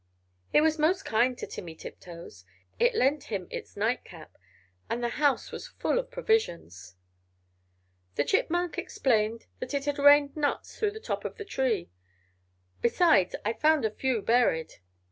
It was most kind to Timmy Tiptoes; it lent him its night cap; and the house was full of provisions. The Chipmunk explained that it had rained nuts through the top of the tree "Besides, I found a few buried!"